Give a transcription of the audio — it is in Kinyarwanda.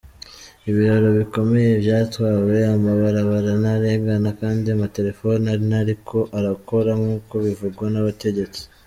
Ibiraro bikomeye vyatwawe, amabarabara ntarengana kandi amatelefone ntariko arakora, nk’uko bivugwa n’abategetsi.